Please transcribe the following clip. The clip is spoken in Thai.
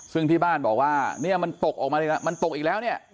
ซึ่งที่บ้านบอกว่าเนี่ยมันตกออกมาอีกแล้วมันตกอีกแล้วเนี่ย